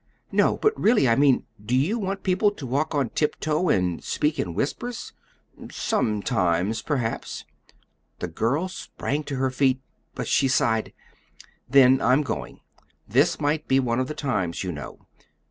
"No; but, really, I mean do you want people to walk on tiptoe and speak in whispers?" "Sometimes, perhaps." The girl sprang to her feet but she sighed. "Then I'm going. This might be one of the times, you know."